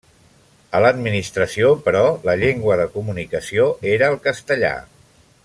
A l'Administració, però, la llengua de comunicació era el castellà.